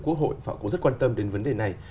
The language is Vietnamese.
quốc hội họ cũng rất quan tâm đến vấn đề này